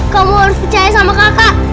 kamu harus percaya sama kakak